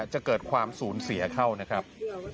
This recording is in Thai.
จะเกิดความสูญเสียเข้านะครับ